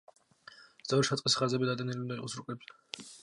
სწორი საწყისი ხაზები დატანილი უნდა იყოს რუკებზე.